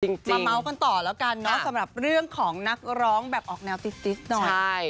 มาเมาส์กันต่อแล้วกันเนอะสำหรับเรื่องของนักร้องแบบออกแนวติ๊สหน่อย